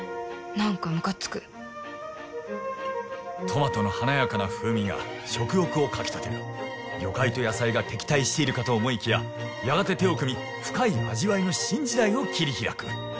何かムカつくトマトの華やかな風味が食欲をかきたてる魚介と野菜が敵対しているかと思いきややがて手を組み深い味わいの新時代を切り開く